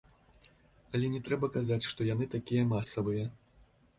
Але не трэба казаць, што яны такія масавыя.